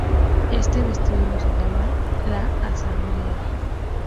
Este vestíbulo se llama 'la asamblea'.